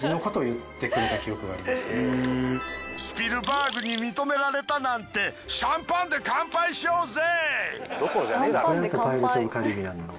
スピルバーグに認められたなんてシャンパンで乾杯しようぜ。